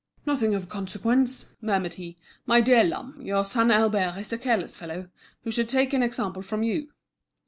"Nothing of consequence!" murmured he. "My dear Lhomme, your son Albert is a careless fellow, who should take an example from you."